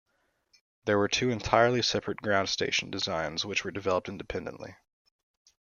There were two entirely separate ground station designs which were developed independently.